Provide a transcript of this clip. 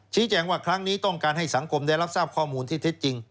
แจ้งว่าครั้งนี้ต้องการให้สังคมได้รับทราบข้อมูลที่เท็จจริง